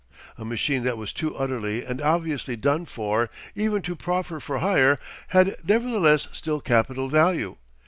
A machine that was too utterly and obviously done for even to proffer for hire, had nevertheless still capital value.